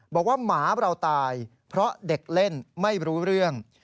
หมาเราตายเพราะเด็กเล่นไม่รู้เรื่อง